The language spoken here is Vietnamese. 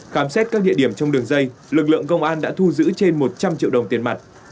khám xét các địa điểm trong đường dây lực lượng công an đã thu giữ trên một trăm linh triệu đồng tiền mặt